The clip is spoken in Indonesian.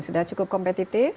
sudah cukup kompetitif